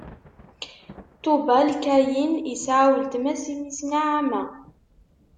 Tubal-Kayin isɛa weltma-s, isem-is Naɛama.